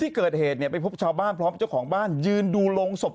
ที่เกิดเหตุเนี่ยไปพบชาวบ้านพร้อมเจ้าของบ้านยืนดูโรงศพ